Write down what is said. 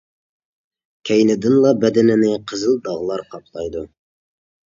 كەينىدىنلا بەدىنىنى قىزىل داغلار قاپلايدۇ.